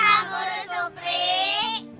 assalamualaikum pak guru supri